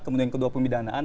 kemudian kedua pemidanaan